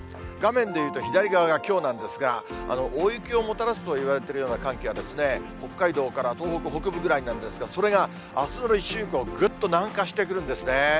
画面でいうと左側がきょうなんですが、大雪をもたらすと言われているような寒気は、北海道から東北北部ぐらいなんですが、それがあすの立春以降、ぐっと南下してくるんですね。